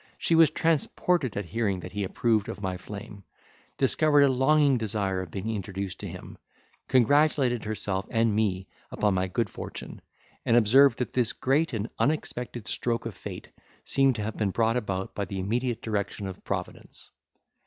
She was transported at hearing that approved of my flame, discovered a longing desire of being introduced to him, congratulated herself and me upon my good fortune, and observed, that this great and unexpected stroke of fate seemed to have been brought about by the immediate direction of Providence.